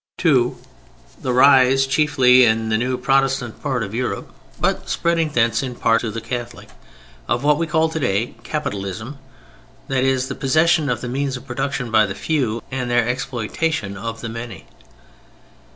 (2) The rise, chiefly in the new Protestant part of Europe (but spreading thence in part to the Catholic) of what we call today "Capitalism," that is, the possession of the means of production by the few, and their exploitation of the many.